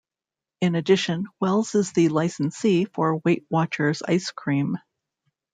In addition, Wells is the licensee for Weight Watchers Ice Cream.